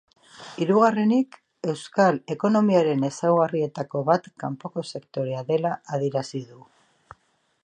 Hirugarrenik, euskal ekonomiaren ezaugarrietako bat kanpoko sektorea dela adierazi du.